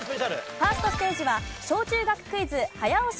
ファーストステージは小中学クイズ早押し３択です。